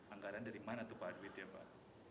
anggaran dari mana tuh pak